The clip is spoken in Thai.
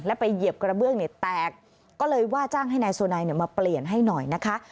แล้วไปเหยียบกระเบื้องเนี่ยแตกก็เลยว่าจ้างให้นายสุนัยมาเปลี่ยนให้หน่อยนะคะ